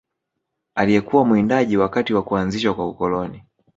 Aliyekuwa mwindaji wakati wa kuanzishwa kwa ukoloni